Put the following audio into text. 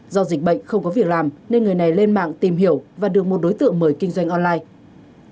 do dịch bệnh không có việc làm nên người này lên mạng tìm hiểu và được một đối tượng mời kinh doanh online